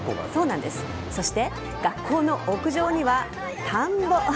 そして学校の屋上には田んぼ。